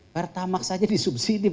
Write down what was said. pertamax saja disubsidi